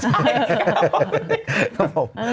ใช่ครับ